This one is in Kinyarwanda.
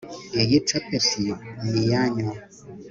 iyi capeti ni iyanyu